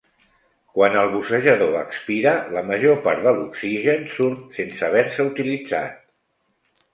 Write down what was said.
Quan el bussejador expira la major part de l'oxigen surt sense haver-se utilitzat.